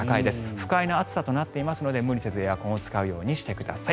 不快な暑さとなっていますので無理せずエアコンを使うようにしてください。